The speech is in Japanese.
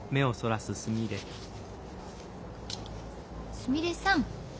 すみれさん